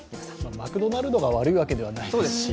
マクドナルドが悪いわけではないですし。